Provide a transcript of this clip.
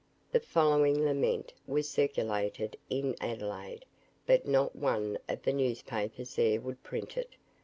The following "Lament" was circulated in Adelaide, but not one of the newspapers there would print it.